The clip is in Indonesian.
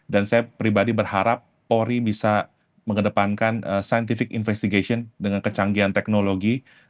dan saya pribadi berharap pori bisa mengedepankan scientific investigation dengan kecanggihan teknologi